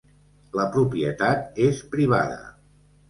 La propietat és privada.